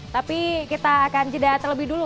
tapi kita akan jeda terlebih dulu